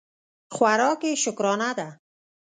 خوراک یې شکرانه ده.